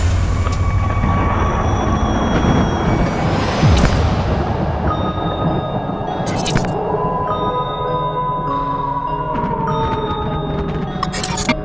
มีความรู้สึกว่ามีความรู้สึกว่า